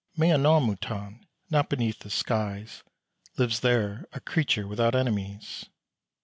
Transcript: Mais à nos moutons. Not beneath the skies Lives there a creature without enemies.